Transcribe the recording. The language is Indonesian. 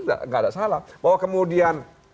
tidak ada salah bahwa kemudian